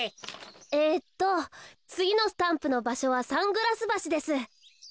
えっとつぎのスタンプのばしょはサングラスばしです。